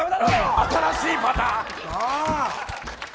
新しいパターン！